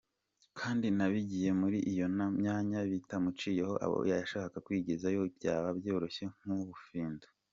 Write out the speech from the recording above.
Kandi n’abagiye muri iyo myanya bitamuciyeho abo yashaka kwigizayo byaba byoroshye nk’ubufindo.